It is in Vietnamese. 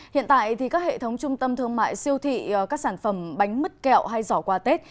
hiện tại thì các hệ thống trung tâm thương mại siêu thị các sản phẩm bánh mứt kẹo hay giỏ quà tết